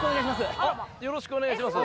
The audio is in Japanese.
よろしくお願いします